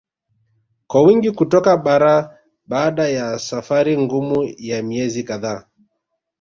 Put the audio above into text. Kwa wingi kutoka bara baada ya safari ngumu ya miezi kadhaa